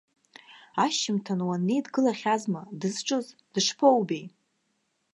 Ашьжьымҭан уаннеи дгылахьазма, дызҿыз, дышԥоубеи?